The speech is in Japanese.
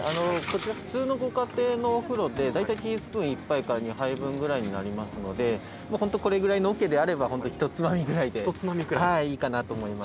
普通のご家庭のお風呂で大体ティースプーン１杯から２杯分ぐらいになりますのでこれぐらいの、おけであればひとつまみぐらいでいいかなと思います。